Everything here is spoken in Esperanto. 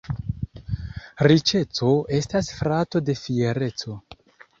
Riĉeco estas frato de fiereco.